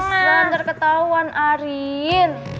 ya nggak bisa ntar ketahuan arin